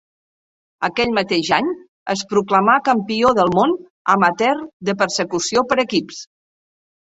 Aquell mateix any es proclamà campió del món amateur de persecució per equips.